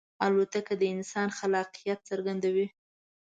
الوتکه د انسان خلاقیت څرګندوي.